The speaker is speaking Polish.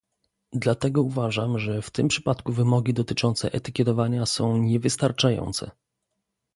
Dlatego uważam, że w tym przypadku wymogi dotyczące etykietowania są niewystarczające